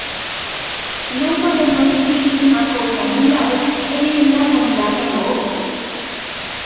Non podemos dicir unha cousa nun lado e dicir a contraria no outro.